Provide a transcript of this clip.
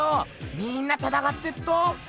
みんなたたかってっと。